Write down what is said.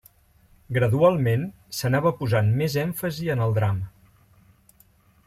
Gradualment, s'anava posant més èmfasi en el drama.